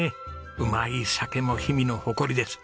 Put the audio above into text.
うまい酒も氷見の誇りです。